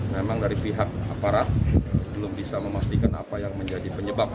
memang dari pihak aparat belum bisa memastikan apa yang menjadi penyebab